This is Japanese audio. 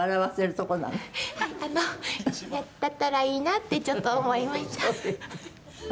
あのだったらいいなってちょっと思いました。